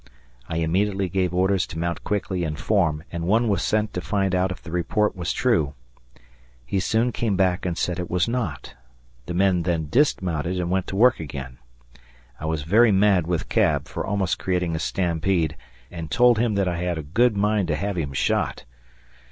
I immediately gave orders to mount quickly and form, and one was sent to find out if the report was true. He soon came back and said it was not. The men then dismounted and went to work again. I was very mad with Cab for almost creating a stampede and told him that I had a good mind to have him shot.